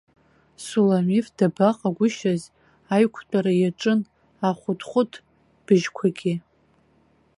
Суламиф дабаҟагәышьаз, аиқәтәара иаҿын ахәыҭхәыҭ быжьқәагьы.